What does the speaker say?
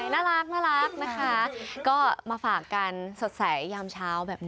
น่ารักนะคะ